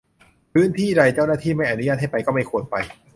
พื้นที่ใดที่เจ้าหน้าที่ไม่อนุญาตให้ไปก็ไม่ควรไป